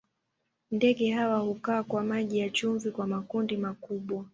Ndege hawa hukaa kwa maji ya chumvi kwa makundi makubwa.